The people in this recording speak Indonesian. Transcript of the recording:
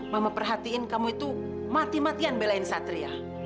mama perhatiin kamu itu mati matian belain satria